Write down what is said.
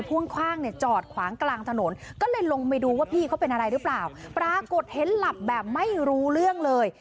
ปรากฏเห็นหลับแบบไม่รู้เรื่องเลย